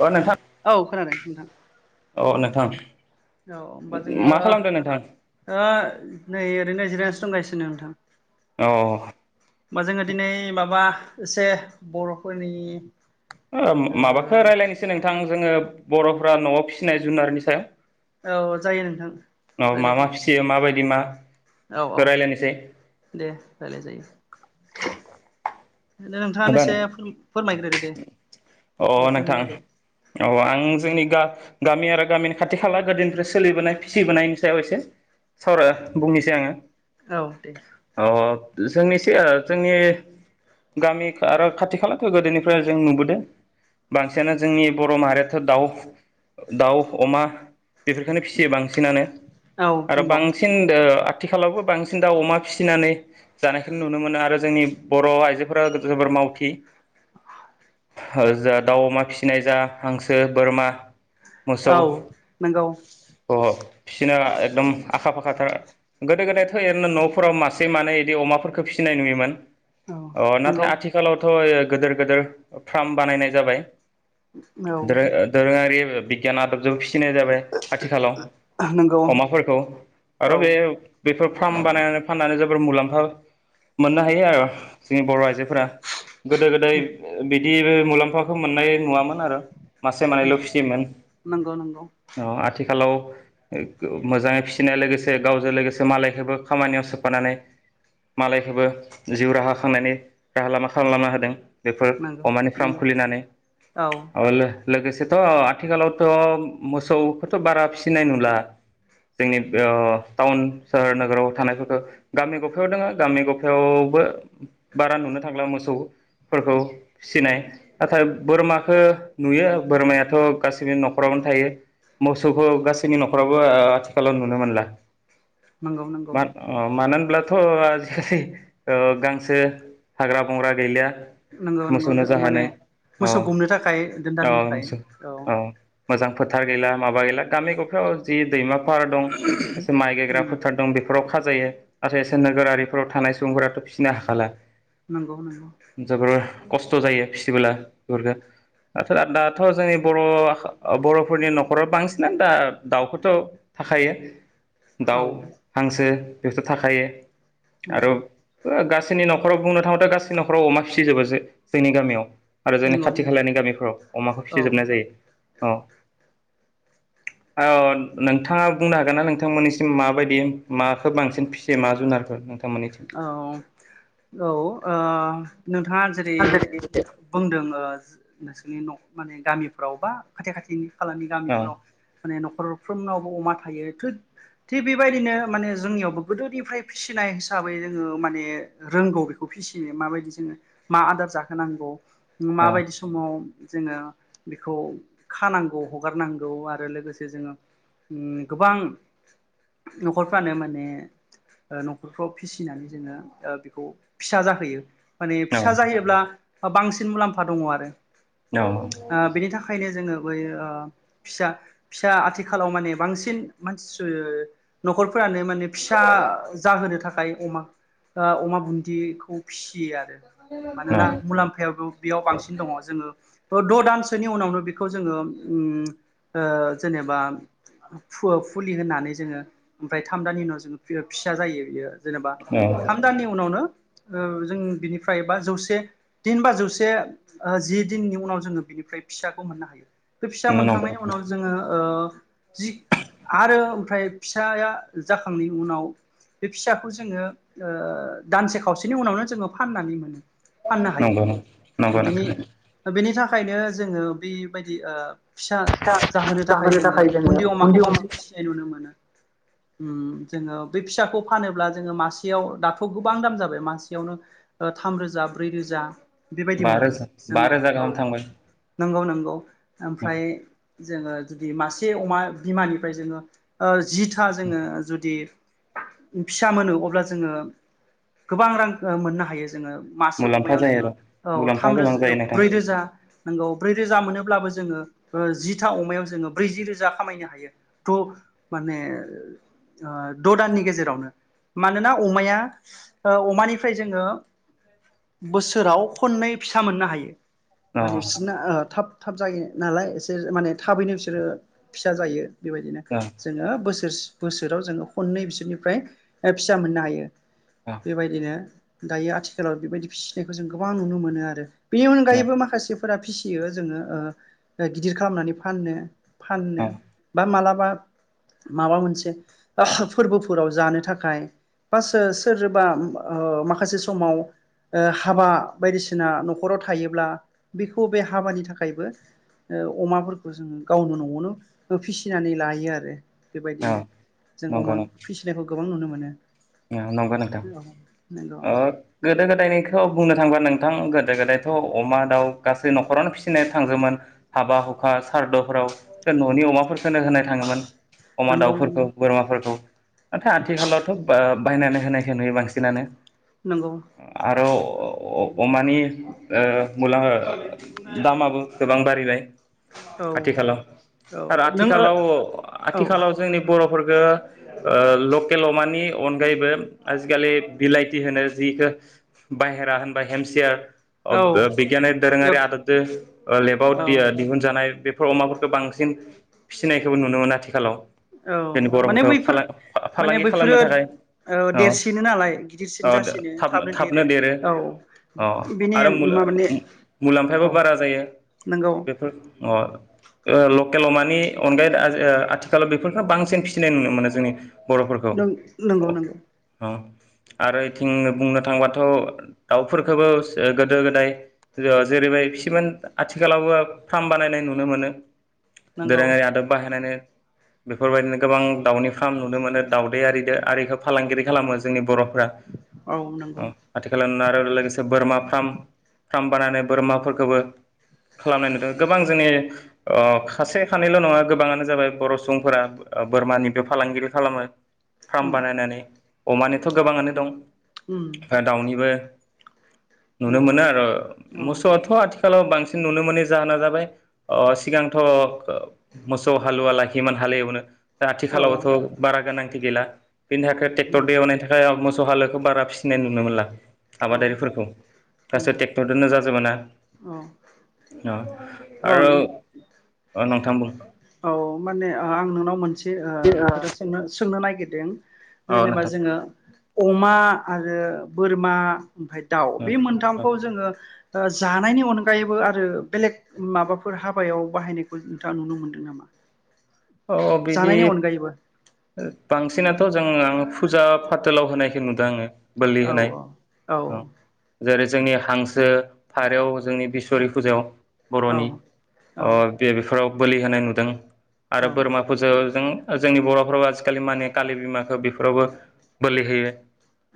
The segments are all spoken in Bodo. अ नोंथां औ खोनादों नोंथां अ नोंथां औ होमबा जोङो मा खालामदों नोंथां ओ नै ओरैनो जिरायनासो दंगासिनो नोंथां। अ ओ होमबा जोङो दिनै माबा एसे बर'फोरनि ओ माबाखौ रायज्लायनोसै नोंथां जोङो बर'फ्रा न'आव फिसिनाय जुनारनि सायाव। औ जायो नोंथां अ मा राय्लाय मा फिसियो माबायदि मा जायो औ रायलायनोसै औ दे राय्लाय जायो। [inaudible] अ नोंथाङानोस फोरमायग्रोदो दे बेफोरनि नोंथां बागै औ आं [unintelligible] गामि आरो गामिनि खाथि खाला गोदोनि सोलिबोनाय फिसिबोनायनि सायाव एसे सावरो बुंनोसै आङो औ दे अ जोंनि एसे जोंनि गामि आरो खाथि खालाथ' गोदोनि फ्राय जों नुबोदों बांसिनानो जोंनि बर' माहारिया दाउ दाउ अमा बेफोरफोरखौनो फिसियो बांसिनानो औ आरो नंगौ बांसिन दो आथिखालावबो बांसिन दा अमा फिसिनानै जानायखौनो नुनो मोनो आरो जोंनि बर' आइजो फोरा जोबोर मावथि जा दाउ अमा फिसिनाय जा हांसो बोरमा मोसौ औ नंगौ अह बिसिोरना एकदम आखा फाखाथार। गोदो गोदायथ' ओरैनो न'फोराव मासे मानै बिदि अमाफोरखौ फिसिनाय नुयोमोन। औ अ नाथाय नंगौ आथिखालावथ' गिदिर गिदिर फार्म बानायनाय जाबाय। औ दोरो दोरोङारि बिगियान आदबजोंबो फिसिनाय जाबाय आथिखालाव नंगौ अमाफोरखौ औ आरो बे बेफोर फार्म बानायनानै फाननानै ज [unintelligible] मुलाम्फा मोननो हायो आरो। जोंनि बर' आइजोफोरा [inaudible] [unintelligible] मुलाम्फा [unintelligible] मोननाय नुवामोन आरो मासे नंगौ मानैल' फिसियोन नंगौ नंगौ ओ आथिखालाव [unintelligible] मोजाङै फिसिनाय लोगोसे गावजों लोगोसे मालायखौबो खामानियाव सोफानानै मालायखौबो जिउ राहा खालाम थांनायनि राहा लामा खालामलांनो होदों। बेफोर नंगौ अमानि फार्म नंगौ खुलिनानै औ [unintelligible] लोगोसेथ' आथिखालावथ' मोसौखोथ' बारा फिसिनाय नुला जोंनि ओ टाउन सोहोर नोगोराव थानायफोरखो गामि गफायाव दोङो गामि गफायावबो बारा नुनो थांला मोसौफोरखौ फिसिनाय नाथाय बोरमाखो नुयो बोरमायाथ' गासैनि न'खरावनो थायो मोसौखौ गासैनि न'खरावबो ओ आथिखालाव नुनो मोनला । नंगौ नंगौ मा ओ मानो होन अब्लाथ' आजिखालि ओ गांसो हाग्रा बंग्रा गैला नंगौ नंगौ माने मोसौ औ गुमनो थाखाय औ दोनदाल होनो नोंसो थाखाय औ मोजां फोथार गैला माबा गैला गामि गफायाव जि दैमा फार दं एसे माइ गायग्रा फोथार दं बेफोराव खा जायो नाथाय एसे नोगोरारिफोराव थानाय सुबुंफोराथ' फिसिनो हाखाला। नोंगौ नोंगौ जोबोर खस्थ' जायो फिसिबोला बेफोरखो दाथ' दाथ' जोंनि बर' बर'फोरनि न'खराव बांसिनानो दा दाउखौथ' थाखायो‌ औ दाउ हांसो बेथ' थाखायो। आरो नंगौ गा सोनि नख खराव बुंनो थाङोबाथ' गासै नखराव अमा फिसिजोबो जोंनि गामियाव। आरो जोंनि नंगौ खाथि नंगौ खालानि गामिफोराव अमाखो औ फिसिजोबनाय जायो। औ औ नोंथाङा बुंनो हागोन ना नोंथांमोननिसिम माबायदि माखो बांसिन फिसियो मा जुनारखो? औ औ ओ नोंथाङा जेरै बुंदों ओ नोंसोरनि न' माने गामिफ्राव बा खाथि खाथिनि खालानि औ गामिफोराव माने न'खरफ्रोमनावबो अमा थायो थिग बेबायदिनो माने जोंनियावबो गोदोनिफ्राय फिसिनाय हिसाबै जोङो माने रोंगौ बेखौ फिसिनो माबायदि जोङो मा आदार जाहोनांगौ। औ माबायदि समाव जोङो बेखौ खानांगौ हगारनांगौ आरो लोगोसे जोङो गोबां न'खरफ्रानो माने ओ न'खर फ्राव फिसिनानै जोङो बेखौ फिसा जाहोयो। माने औ फिसा जायोब्ला बांसिन मुलाम्फा दङ आरो । औ ओ बेनि थाखायनो जोङो । फिसा फिसा आथिखालाव माने बांसिन मानसि न'खरफोरानो माने फिसा जाहोनो था थाखाय अमा ओ अमा बुन्दिखौ फिसि फियो आरो मानोना मुलाम्फायाबो बेयाव बांसिन दङ जोङो त' द' दानसोनि उनावनो बेखौ जोङो उम ओ जेनेबा फु-फुलि होनानै जोङो ओमफाय थाम दाननि उनाव जोङो बियो फिसा जायो बियो जेनोबा औ औ थाम दाननि उनावनो ओ जों बिनिफ्राय बा जौसे दिन बा जौसे ओ जि दिननि उनाव जोङो बिनिफ्राय फिसाखौ मोननो हायो। बे फिसा नंगौ मोनखांनायनि उनाव जोङो ओ जि आरो उन्थाय फिसाया जाखांनायनि उनाव बे फिसाखौ जोङो ओ दानसे खावसेनि उनावनो जोङो फाननानै मोनो। फाननो हायो नंगौ नंगौ बेनि नोंथां। बेनि थाखायनो जोङो बेबायदि ओ फिसा जाहोनो थाखाय जोङो बुन्दि अमाखौ बांसिन फिसिनाय नुनो मोनो। उम जोङो बे फिसाखौ फानोब्ला जोङो मासेयाव दाथ' गोबां दाम जाबाय मासेयावनो ओ थामरोजा ब्रै रोजा बेबायदि बा मोनो रोजा बा जोङो रोजा औ गाहाम थांबाय? नंगौ नंगौ। ओमफ्राय जोङो जुदि मासे अमा बिमानिफ्राय जोङो ओ जिथा जोङो जुदि [unintelligible] फिसा मोनो अब्ला जोङो गोबां रां ओ मोननो हायो जोङो मासे मुलाम्फा अमायाव जायो जोङो आरो औ मुलाम्फा थामो रोज गोनां जायो नोंथां। ब्रै रोजा नंगौ ब्रै रोजा मोनोब्लाबो जोङो ओ जिथा अमायाव जोङो ब्रैजि रोजा खामायनो हायो थ' माने ओ द' दाननि गेजेरावनो मानोना अमाया ओ अमानिफ्राय जोङो बोसोराव खननै फिसा मोननो हायो। अ माने बिसोरना ओ थाब थाब जायो नालाय एसे माने थाबैनो बिसोरो फिसा जायो। बेबायदिनो अ जोङो बोसोर बोसोराव जोङो खननै बिसोरनिफ्राय ओ फिसा मोननो हायो। अ बेबायदिनो दायो आथिखालाव बेबायदि फिसिनायखौ जों गोबां नुनो मोनो आरो बेनि अनगायैबो माखासे फोर फिसियो जोङो ओ गिदिर खालामनानै फाननो फाननो अ बा माला बा माबा मोनसे फोरबोफोराव जानो था खाय बा सो सोरबा ओम ओ माखासे समाव ओ हाबा बायदिसिना न'खराव थायोब्ला बेखौ बे हाबानि थाखायबो ओ अमाफोरखौ जोङो गावनो न'आवनो फिसिनानै लायो आरो। अ बेबायदिनो जों नंगौ अमा फिसिनायखौ गोबां नुनो मोनो। [inaudible] नंगौ नोंथां नंगौ ओ [unintelligible] नायखौ बुंनो थांबा नोंथां गोदो गोदायथ' अमा दाउ गासै न'खरानो फिसिनो थांगोमोन हाबा हुखा सारदुफोराव न'नि अमाफोरखौ होनो होनाय थाङोमोन अमा नंगौ नंगौ दाउफोरखौ बोरमाफोरखौ आथिखालावथ' बायनानै होनायखौ नुयो बांसिनानो नंगौ आरो अमानि ओ मुला दामाबो गोबां बारायबाय औ आथिखालाव औ आरो नों औ आथिखालाव औ आथिखालाव जोंनि बर' फोरखो लकेलाव मानि अनगायैबो आजिखालि बिलाइथि होनो जिखौ बाहेरा होनबा औ हेमसियार बिगियानारि दोरोङारि आदबजों लेबाव दिहुनजानाय बेफोर अमाफोरखौ बांसिन फिसिनायखौबो नुनो मोनो आथिखालाव औ जोंनि माने बर'फोरखौ बैफोर माने फालांगि बैफोरो खालामनो थाखाय औ औ देरसिनो नालाय गिदिरसिन जासिनो थाबनो देरो औ अ बेनि आरो माबानि औ मुलाम्फायाबो बारा जायो नंगौ बेफोर अ लकेलाव मानि अनगायै आथिखालाव बेफोरखौ बांसिन फिसिनाय नुनो मोनो जोंनि बर'फोरखौ नों अ नंगौ-नंगौ [inaudible] अ आरोइथिं बुंनो थांबाथ' दाउफोरखौबो गोदो गोदाय जेरैबाय फियोमोन आथिखालावबो फार्म बानायनाय नुनो मोनो नंगौ दोरोङारि आदब बाहायनानै बेफोरबायदिनो गोबां दाउनि फार्म नुनो मोनो दाउदैआरिदो आरोइखो फालांगिरि खालामो जोंनि बर' औ नंगौ ओम आथिखाल आरो लोगोसे बोरमा फार्म फार्म बानायनानै बोरमाफोरखौबो खालामनाय नुदों गोबां जोंनि अ खासे खानैल' नङा गोबाङानो जाबाय बर' सुबुंफोरा बोरमानिबो फालांगिरि खालामो फार्म उम बानायनानै अमानिथ गोबांङानो दं उम ओफ्राय दावनिबो नुनो नंगौ मोनो आरो औ मोसौआथ आथिखालाव बांसिन नुनो मोनि जाहोना जाबाय सिगांथ मोसौ हालुवा लाखियोमान हाल एवनो दा औ आथिखालावथ बारा गोनां बि गैला बिनि थाखाय ट्रेक्टरदो नंगौ एवनायनि थाखाय मोसौ हालुवाखो बारा फिसिनाय नुनो मोनला औ आबादारिफोरखौ नंगौ गासै ट्रेक्टरजोंनो जाजोब ना अ औ औ आरो नोंथां बुं औ माने आं नोंनाव मोनसे औ खोथा सोंनो सों नो नागिरदों जेनेबा नोंथां जोंङो अमा आरो बोरमा ओमफ्राय दाउ बे औ मोनथामखौ जोंङो जानायनि अनगायैबो आरो बेलेग माबाफोर हाबायाव बाहायनायखौ नोंथांङा नुनो मोनदों नामा अ बिदि जानायनि अनगायैबो बांसिना थ जोंङो फुजा फाथोलाव होनायखौ नुदों आंङो औ औ औ जेरै जोंनि हांसो फारौ जोंनि बिसरि फुजायाव औ बरनि औ अ बे बेफोराव बोलि होनाय नुदों आरो औ बोरमाफोरजो जों जोंनि बरफोरावो आजिखालि माने कालि बिमाखौ बेफोरावबो बोलि होयो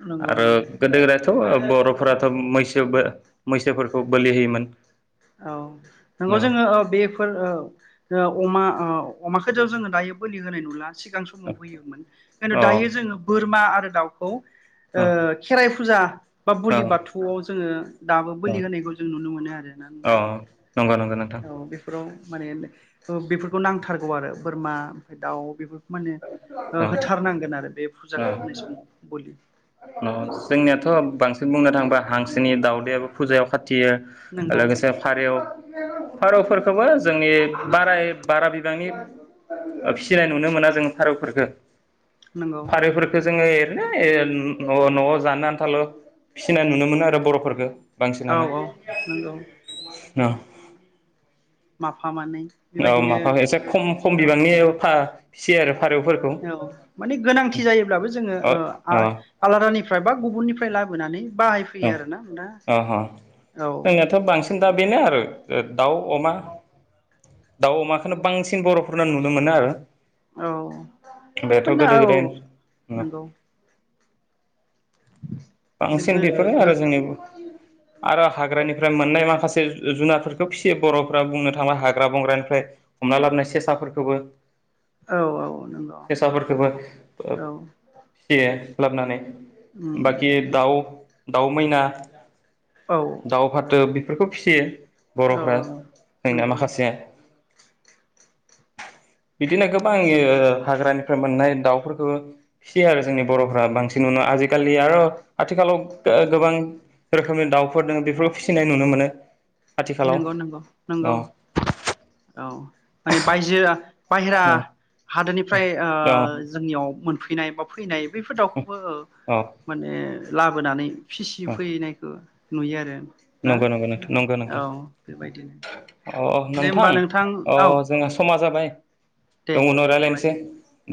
नंगौ आरो नंगौ गोदो गोदाय थ बरफोराथ मैसोबो मैसोफोरखौ बोलि होयोमोन [inaudible] औ औ नंगौ जोंङो ओ बेफोर ओ अमा ओ अमाखौ जो जोंङो दायो बोलि होनाय नुला सिगां मोजां समाव होयोमोन खिथु औ दायो जोंङो बोरमा आरो दाउखौ ओ खेराइ फुजा बा औ बुलि बाथौआव जोंङो दाबो औ बोलि होनायखौ जों नुनो मोनो आरोना औ नोंथां नंगौ नंगौ नोंथां औ बेफोराव माने बेफोरखौ नांथारगौ आरो बोरमा ओमफ्राय दाउ बे माने औ होथारनांगोन आरो बे फुजाखौ होनाय समाव बोलि उम जोंनियाथ' बेबायदि बांसिन बुंनो थाङोबा हांसोनि दाउदैआबो फुजायाव खा थियो नंगौ लोगोसे फारेव फारौफोरखौबो जोंनि बाराय बारा बिबांनि फिसिनाय नुनो मोना जों फारौफोरखौ नंगौ फारैफोरखो जोङो [unintelligible] अ' न'आव जानो आन्थाल' फिसिनाय नुनो मोनो आरो बर'फोरखो। औ औ नंगौ न' माफा मानै औ बेबायदिनो माफा एसे खम खम औ बिबांनि ओ फा सेेर औ माने गोनांथि जायोब्लाबो जोङो अ ओ अ आ-आलादानिफ्राय बा गुबुननि फ्राय लाबोनानै बाहायफैयो आरोना दा अ अ औ। [unintelligible] दा बेनो आरो ओ दाउ अमा दाउ अमाखोनो बांसिन बर'फोरनाव नुनो मोनो आरो। औ बेथ' मोन गोदो औ गोदाय नंगौ बांसिन गो बेफोरो आरो जोंनि गो आरो हाग्रानिफ्राय मोननाय माखासे जे जु जुनारफोरखौ फिसियो बर'फोरा बुंनो थांबा हाग्रा बंग्रानिफ्राय हमना लाबोनाय सेसाफोरखौबो औ औ नंगौ सेसाफोरखोबो ओ औ फियो। लाबनानै बे उम दाउ दाउ मैना औ दाव फाथो बेफोरखौ फिसियो औ बर'फ्रा जोंना नंगौ माखासे बिदिनो गोबां यो हाग्रानि फोर मोननाय दाउफोरखो फिसियो आरो जोंनि बर'फ्रा बांसिननन' आजिखालि आर' आथिखालाव गो गोबां रोखोमनि दाउफोर दोङ बेफोरखौ फिसिनाय नुनो मोनो। आथिखालाव नंगौ नंगौ नंगौ औ औ माने बायजो बायेरा। औ गोदोनिफ्राय ओ औ जोंनियाव मोन फैनाय बा फैनाय। बेफोर दाउखौबो ओ औ माने लाबोनानै फिसि औ फैनायखो नुयो आरो। ना नंगौ नंगौ नोंथां नंगो। औ बेबायदिनो। अ दे होमबा नोंथां अ औ जोङा सम समा जाबाय दे दङ' उनाव होमबालाय रायज्लायनोसै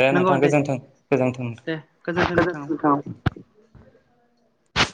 दे नोंथां गोजोन्थों। गोजोनथों दे नोंथां गोजोन्थों नोंथां औ गोजोनथों नोंथां।